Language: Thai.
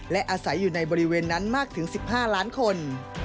และอาศัยอยู่ในบริเวณนั้นมากถึง๑๕ล้านคน